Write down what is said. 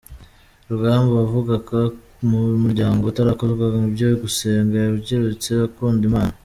Rugamba wavukaga mu muryango utarakozwaga ibyo gusenga, yabyirutse akunda Imana.